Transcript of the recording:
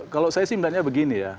kalau saya sih sebenarnya begini ya